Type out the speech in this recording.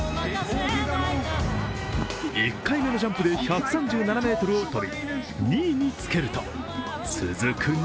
１回目のジャンプで１３７ｍを飛び、２位につけると続く